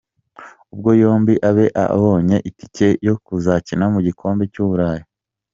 Ubwo yombi abe abonye itike yo kuzakina mu gikombe cy'Uburayi.